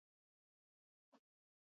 Oregon konderriak kilometro koadro ditu.